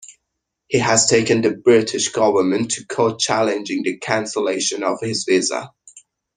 He has taken the British Government to court challenging the cancellation of his visa.